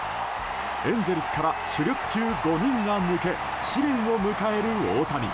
エンゼルスから主力５人が抜け試練を迎える大谷。